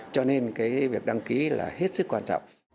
cho nên cái việc đăng ký là hết sức quan trọng